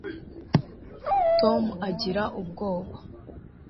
tom agira ubwoba